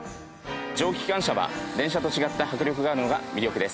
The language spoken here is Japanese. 蒸気機関車は電車と違った迫力があるのが魅力です